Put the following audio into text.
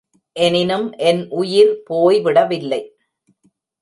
எனினும் என் உயிர் போய் விடவில்லை.